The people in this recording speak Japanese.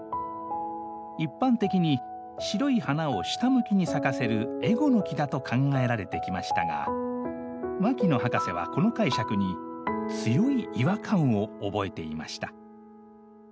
一般的に白い花を下向きに咲かせるエゴノキだと考えられてきましたが牧野博士はこの解釈に強い違和感を覚えていました。